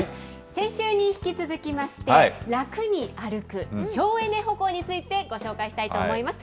先週に引き続きまして、楽に歩く、省エネ歩行についてご紹介したいと思います。